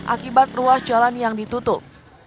akibat ruas jalan yang ditutup